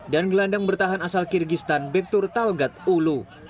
dan gelandang bertahan asal kyrgyzstan bektur talgat ulu